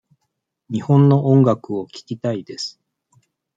日本の音楽を聞きたいです。